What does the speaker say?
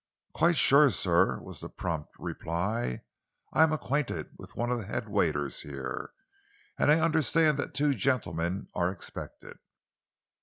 "Quite sure, sir," was the prompt reply. "I am acquainted with one of the head waiters here, and I understand that two gentlemen are expected."